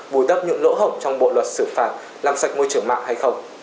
bồi đắp những lỗ hổng trong bộ luật xử phạt làm sạch môi trường mạng hay không